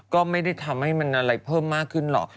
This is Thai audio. ก็ไม่ได้ทำให้มันอะไรเพิ่มมากขึ้นหรอก